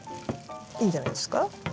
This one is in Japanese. いいんじゃないですか。